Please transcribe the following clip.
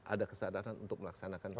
ada kesadaran untuk melaksanakan